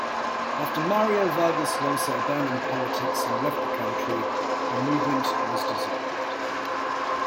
After Mario Vargas Llosa abandoned politics and left the country, the movement was dissolved.